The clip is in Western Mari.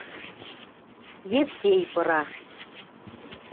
Евсей пыра.